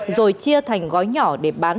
rồi chia thành gói nhỏ để bán